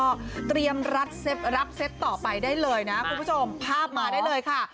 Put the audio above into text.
เราก็เตรียมรัดรับเซ็ตต่อไปได้เลยครับพูดผ้ามาได้เลยค่ะ